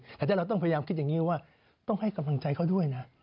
แต่ถ้าเราต้องพยายามคิดอย่างนี้ว่าต้องให้กำลังใจเขาด้วยนะ